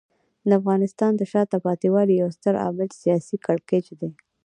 د افغانستان د شاته پاتې والي یو ستر عامل سیاسي کړکېچ دی.